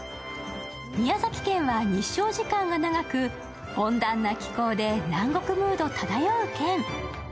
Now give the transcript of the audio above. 宮崎県は日照時間が長く温暖な気候で南国ムード漂う県。